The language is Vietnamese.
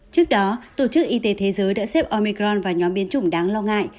trước đó tổ chức y tế thế giới đã xếp omicron vào nhóm biến chủng đáng lo ngại